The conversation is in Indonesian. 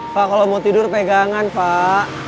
fah kalau mau tidur pegangan fah